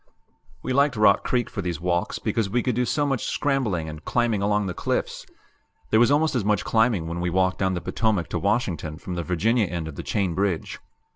We liked Rock Creek for these walks because we could do so much scrambling and climbing along the cliffs; there was almost as much climbing when we walked down the Potomac to Washington from the Virginia end of the Chain Bridge.